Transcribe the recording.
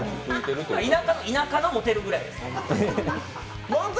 田舎のモテるぐらいです。